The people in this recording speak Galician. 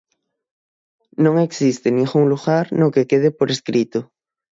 Non existe ningún lugar no que quede por escrito.